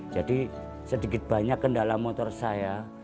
jadi sedikit banyak kendala motor saya